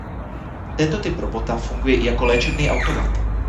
Tento typ robota funguje i jako léčebný automat.